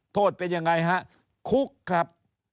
โทษเป็นยังไงฮะคุกครับ